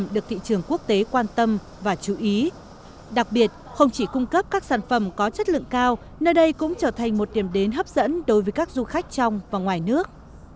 đặc biệt không chỉ cung cấp các sản phẩm có chất lượng cao nơi đây cũng trở thành một điểm đến hấp dẫn đối với các du khách trong và ngoài nước